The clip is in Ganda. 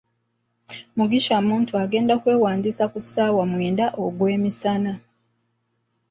Mugisha Muntu agenda kwewandiisa ku ssaawa mwenda ogwemisana.